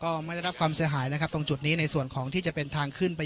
ไม่ได้รับความเสียหายนะครับตรงจุดนี้ในส่วนของที่จะเป็นทางขึ้นไป